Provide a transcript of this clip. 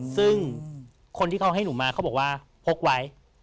ซึ่งคนที่เขาให้หนูมาเขาบอกว่าพกไว้